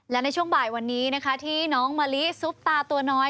และในช่วงบ่ายวันนี้นะคะที่น้องมะลิซุปตาตัวน้อย